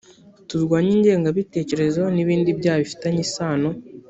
turwanye ingengabitekerezo n ‘ibindi byaha bifitanye isano.